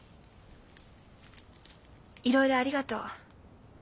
いろいろありがとう。